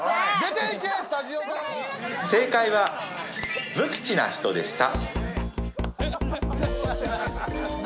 正解は、無口な人でした。